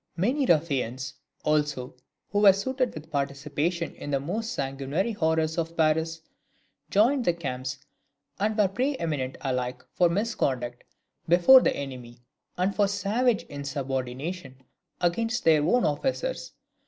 Many ruffians, also, who were sullied with participation in the most sanguinary horrors of Paris, joined the camps, and were pre eminent alike for misconduct before the enemy and for savage insubordination against their own officers.